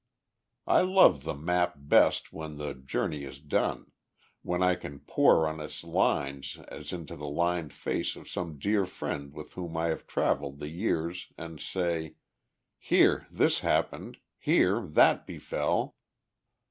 I love the map best when the journey is done when I can pore on its lines as into the lined face of some dear friend with whom I have travelled the years, and say here this happened, here that befell!